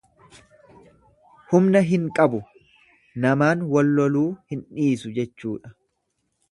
Humna hin qabu namaan wal loluu hin dhiisu jechuudha.